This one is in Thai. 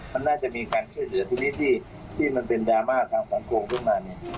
มันน่าจะมีการช่วยเหลือทีนี้ที่มันเป็นดราม่าทางสังคมขึ้นมาเนี่ย